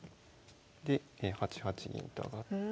で８八銀と上がって。